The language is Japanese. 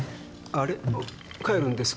あっ帰るんですか？